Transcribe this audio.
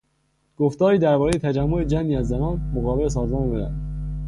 گفتاری درباره تجمع جمعی از زنان مقابل سازمان ملل.